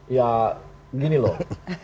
ya gini loh